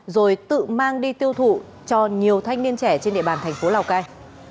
rồi tự mang đi tiêu thụ cho nhiều thanh niên trẻ trên địa bàn thành phố lào cai